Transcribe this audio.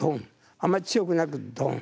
あんまり強くなく「ドン」。